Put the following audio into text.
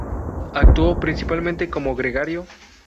Actuó principalmente como gregario.